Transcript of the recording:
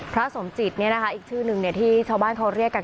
สมจิตอีกชื่อนึงที่ชาวบ้านเขาเรียกกัน